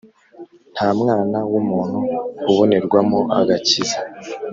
Ntamwana wumuntu ubonerwamo agakiza